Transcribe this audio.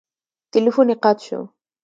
تیلفون یې قطع شو.